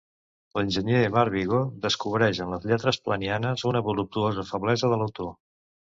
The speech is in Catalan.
L'enginyer Marc Vigo descobreix en les lletres planianes una voluptuosa feblesa de l'autor.